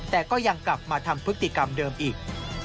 แต่ก็ยังกลับมาทำพฤติกรรมเดิมอีก